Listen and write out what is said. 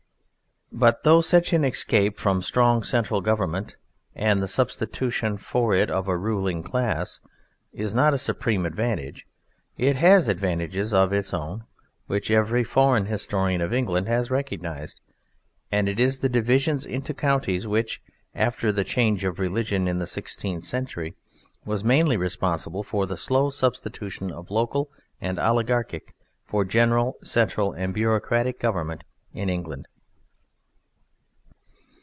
But though such an escape from strong central government and the substitution for it of a ruling class is not a supreme advantage, it has advantages of its own which every foreign historian of England has recognized, and it is the divisions into counties which, after the change of religion in the sixteenth century, was mainly responsible for the slow substitution of local and oligarchic for general, central, and bureaucratic government in England.